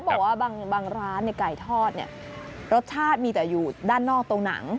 บอกว่าบางร้านในไก่ทอดเนี่ยรสชาติมีแต่อยู่ด้านนอกตรงหนัง